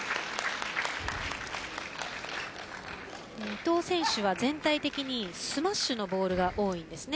伊藤選手は全体的にスマッシュのボールが多いです。